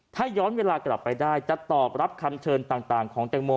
ถ้าย้อนเวลากลับไปได้จะตอบรับคำเชิญต่างของแตงโม